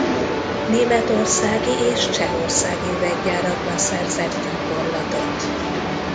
Németországi és csehországi üveggyárakban szerzett gyakorlatot.